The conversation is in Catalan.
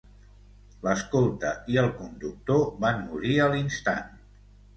L'escolta i el conductor van morir a l'instant.